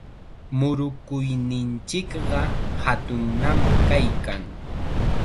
Murukuyninchikqa hatunnam kaykan.